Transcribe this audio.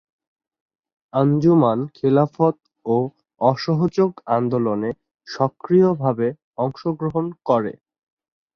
আঞ্জুমান খিলাফত ও অসহযোগ আন্দোলনে সক্রিয়ভাবে অংশগ্রহণ করে।